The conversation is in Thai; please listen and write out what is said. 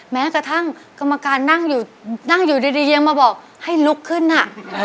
แม้กระทั่งกรรมการนั่งอยู่นั่งอยู่ดียังมาบอกให้ลุกขึ้นอ่ะ